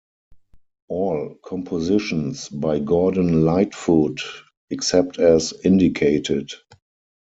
All compositions by Gordon Lightfoot, except as indicated.